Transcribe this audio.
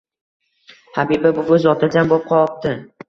Habiba buvi zotiljam bo‘p qopti.